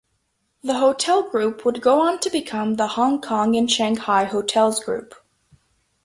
The hotel group would go on to become the Hongkong and Shanghai Hotels Group.